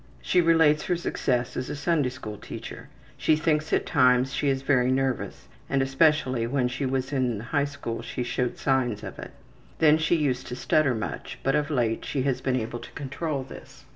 She relates her success as a Sunday School teacher. She thinks at times she is very nervous, and especially when she was in the high school she showed signs of it. Then she used to stutter much, but of late she has been able to control this.